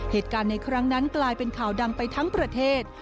เหตุการณ์ในครั้งนั้นกลายเป็นข่าวดังไปทั้งประเทศ